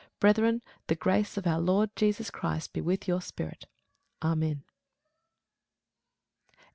Brethren, the grace of our Lord Jesus Christ be with your spirit. Amen.